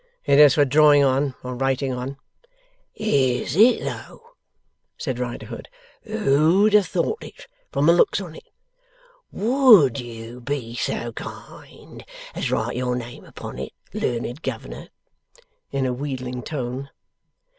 'It is for drawing on, or writing on.' 'Is it though!' said Riderhood. 'Who'd have thought it, from the looks on it! WOULD you be so kind as write your name upon it, learned governor?' (In a wheedling tone.)